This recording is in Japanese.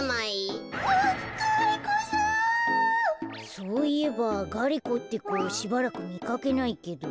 そういえばガリ子ってこしばらくみかけないけど。